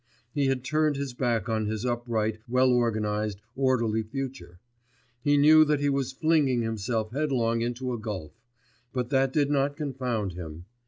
He had turned his back on his upright, well organised, orderly future; he knew that he was flinging himself headlong into a gulf ... but that did not confound him.